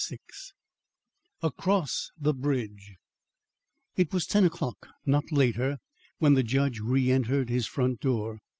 VI ACROSS THE BRIDGE It was ten o'clock, not later, when the judge re entered his front door.